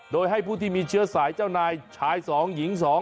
โดยให้ผู้ที่มีเชื้อสายเจ้านายชาย๒หญิง๒